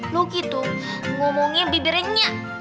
luki tuh ngomongnya bibirnya nyak